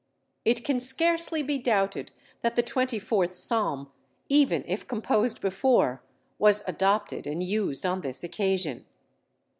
It can scarcely be doubted that the 24th psalm, even if composed before, was adopted and used on this occasion.